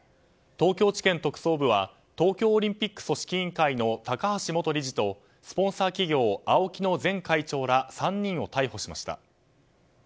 東京地検特捜部は東京オリンピック組織委員会の高橋元理事とスポンサー企業ＡＯＫＩの前会長ら３人を逮捕しました。